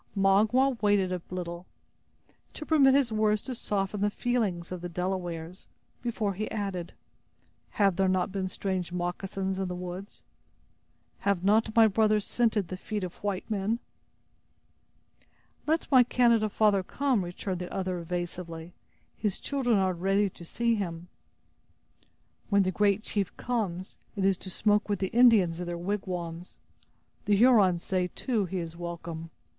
Magua waited a little, to permit his words to soften the feelings of the Delawares, before he added: "Have there not been strange moccasins in the woods? Have not my brothers scented the feet of white men?" "Let my Canada father come," returned the other, evasively; "his children are ready to see him." "When the great chief comes, it is to smoke with the Indians in their wigwams. The Hurons say, too, he is welcome.